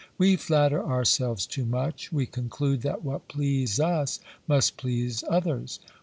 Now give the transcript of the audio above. We flatter ourselves too much; we conclude that what please us must please others.